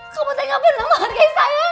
kamu tidak pernah menghargai saya